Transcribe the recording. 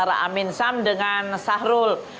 amin sam dengan sahrul